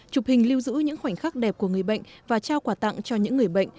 chụp hình lưu giữ những khoảnh khắc đẹp của người bệnh và trao quà tặng cho những người bệnh